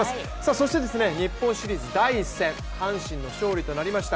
そして日本シリーズ第１戦阪神の勝利となりました。